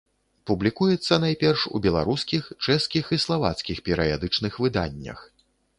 Публікуецца найперш у беларускіх, чэшскіх і славацкіх перыядычных выданнях.